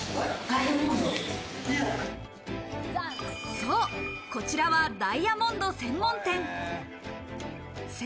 そう、こちらはダイヤモンド専門店。